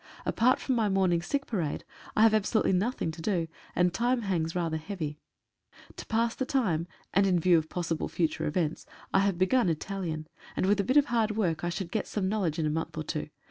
Apart from my morning sick parade I have absolutely nothing to do, and time hangs rather heavy. To pass the time, and in view of possible future events, I have begun Italian, and with a bit of hard work I should get some knowledge in a month or two.